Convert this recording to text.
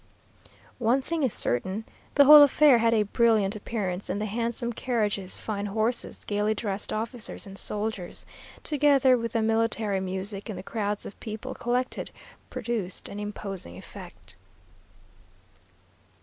One thing is certain: the whole affair had a brilliant appearance; and the handsome carriages, fine horses, gaily dressed officers and soldiers, together with the military music and the crowds of people collected, produced an imposing effect.